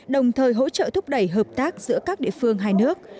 đồng thời hỗ trợ thúc đẩy hợp tác giữa các địa phương hai nước